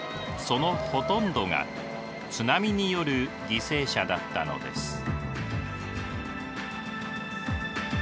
そのほとんどが津波による犠牲者だったのです。